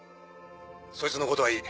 そいつのことはいい。